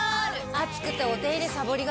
暑くてお手入れさぼりがち。